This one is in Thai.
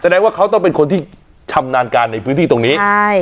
แสดงว่าเขาต้องเป็นคนที่ชำนาญการในพื้นที่ตรงนี้ใช่